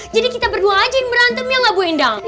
jadi kita berdua aja yang berantem ya gak bu endang